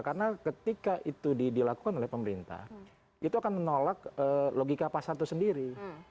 karena ketika itu dilakukan oleh pemerintah itu akan menolak logika pasar itu sendiri